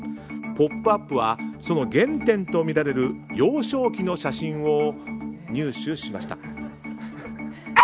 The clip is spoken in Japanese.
「ポップＵＰ！」はその原点とみられる幼少期の写真をアー！